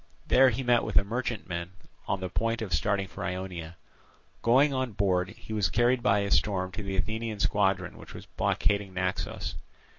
There he met with a merchantman on the point of starting for Ionia. Going on board, he was carried by a storm to the Athenian squadron which was blockading Naxos.